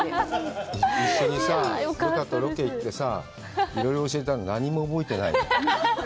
一緒にさ、留伽とロケに行ってさ、いろいろ教えたのに何も覚えてない。